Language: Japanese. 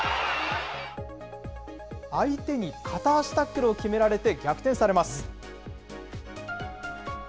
相手に片足タックルを決められて逆転されます。